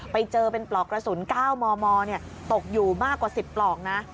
ไปเจอเป็นปลอกกระสุน๙มมตกอยู่มากกว่า๑๐ปลอกนะ